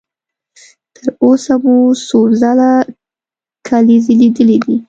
تر اوسه مو څو ډوله کلیزې لیدلې دي؟